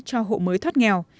cho hộ mới thoát nghèo